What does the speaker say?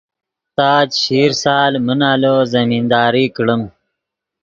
تا چشیر سال من آلو زمینداری کڑیم